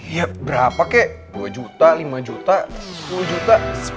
ya berapa kek dua juta lima juta sepuluh juta